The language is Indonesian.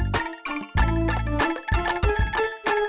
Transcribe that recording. baik saya jalan